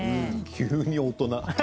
急に大人。